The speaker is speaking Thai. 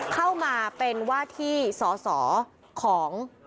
เข้ามาเป็นว่าที่สอสอของ